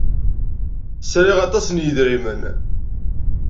Sriɣ aṭas n yidrimen?